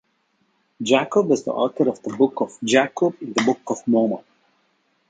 Jacob is the author of the Book of Jacob in the Book of Mormon.